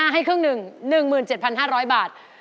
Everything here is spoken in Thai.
ให้ครึ่งหนึ่ง๑๗๕๐๐บาท